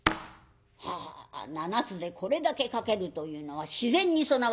「はあ７つでこれだけ書けるというのは自然に備わっておりますな。